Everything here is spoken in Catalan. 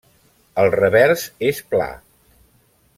El revers és pla.